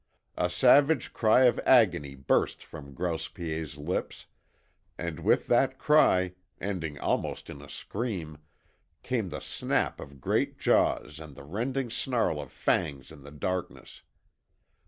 A savage cry of agony burst from Grouse Piet's lips, and with that cry, ending almost in a scream, came the snap of great jaws and the rending snarl of fangs in the darkness.